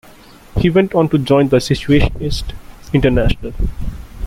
He went on to join the Situationist International.